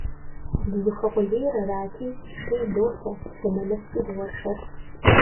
Дызыхуэкъулейр арати, шей дофэ, зэманыфӀкӀи доуэршэр.